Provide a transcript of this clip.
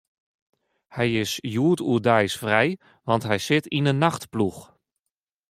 Hy is hjoed oerdeis frij, want hy sit yn 'e nachtploech.